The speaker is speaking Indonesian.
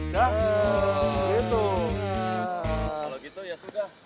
kalau begitu ya sudah